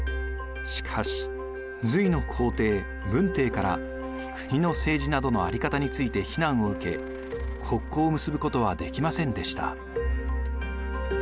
しかし隋の皇帝文帝から国の政治などの在り方について非難を受け国交を結ぶことはできませんでした。